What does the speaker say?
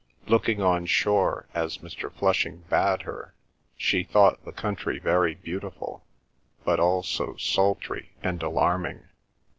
Looking on shore as Mr. Flushing bade her, she thought the country very beautiful, but also sultry and alarming.